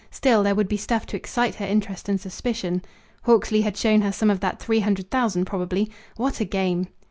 Still, there would be stuff to excite her interest and suspicion. Hawksley had shown her some of that three hundred thousand probably. What a game!